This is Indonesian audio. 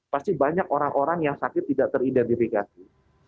pasti banyak orang orang yang sakit tidak teridentifikasi